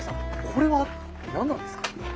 これは何なんですか？